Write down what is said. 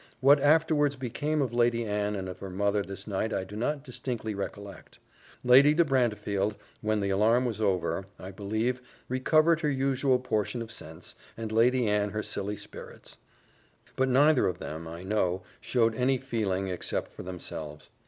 What afterwards became of Lady Anne and of her mother this night, I do not distinctly recollect. Lady de Brantefield, when the alarm was over, I believe, recovered her usual portion of sense, and Lady Anne her silly spirits; but neither of them, I know, showed any feeling, except for themselves.